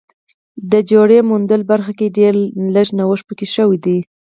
د جوړې موندلو برخه کې ډېر لږ نوښت پکې شوی دی